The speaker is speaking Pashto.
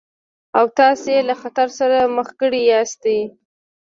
او تاسې يې له خطر سره مخ کړي ياستئ.